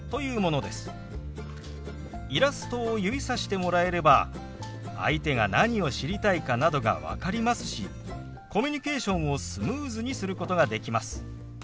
イラストを指さしてもらえれば相手が何を知りたいかなどが分かりますしコミュニケーションをスムーズにすることができます。